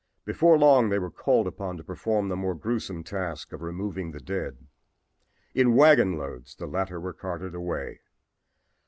Before long they were called upon to perform the more grewsome task of removing the dead. In wagon loads the latter were carted away.